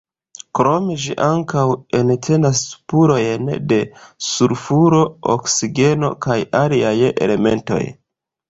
Krome ĝi ankaŭ entenas spurojn de sulfuro, oksigeno kaj aliaj elementoj.